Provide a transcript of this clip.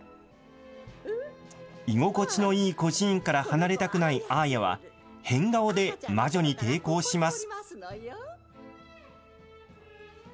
居心地のいい孤児院から離れたくないアーヤは、変顔で魔女に抵抗します。